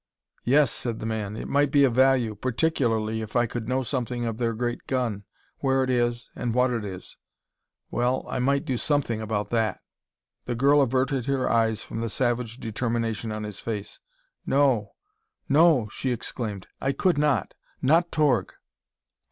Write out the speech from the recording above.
"Yes," said the man. "It might be of value. Particularly if I could know something of their great gun where it is and what it is well, I might do something about that." The girl averted her eyes from the savage determination on his face. "No no!" she exclaimed; "I could not. Not Torg!"